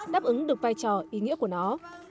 đáp ứng được vai trò ý nghĩa của nó